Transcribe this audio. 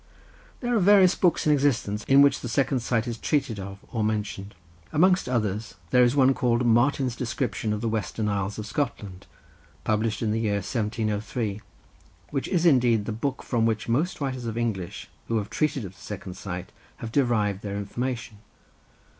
There are various books in existence in which the second sight is treated of or mentioned. Amongst others there is one called Martin's Visit to the Hebrides, published in the year 1700, which is indeed the book from which most writers in English, who have treated of the second sight, have derived their information.